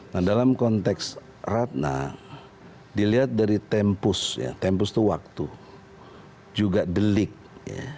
nah dalam konteks ratna dilihat dari tempus ya tempus itu waktu juga delik ya